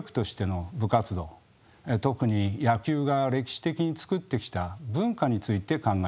特に野球が歴史的に作ってきた文化について考え